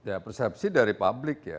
ya persepsi dari publik ya